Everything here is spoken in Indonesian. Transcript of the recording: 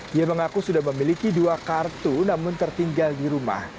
dia mengaku sudah memiliki dua kartu namun tertinggal di rumah